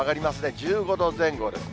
１５度前後ですね。